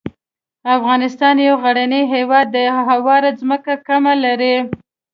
افغانستان یو غرنی هیواد دی او هواره ځمکه کمه لري.